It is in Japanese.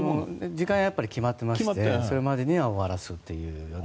時間やっぱり決まってましてそれまでには終わらすというような。